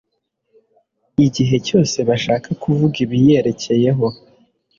igihe cyose bashaka kuvuga ibiyerekeyeho.